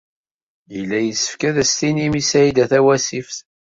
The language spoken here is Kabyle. Yella yessefk ad as-tinim i Saɛida Tawasift.